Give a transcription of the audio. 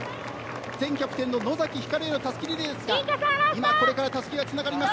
前キャプテンの野崎光へたすきリレーですがこれからたすきがつながります。